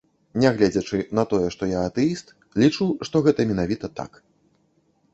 Нягледзячы на тое, што я атэіст, лічу, што гэта менавіта так.